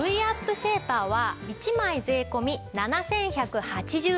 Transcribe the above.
シェイパーは１枚税込７１８０円。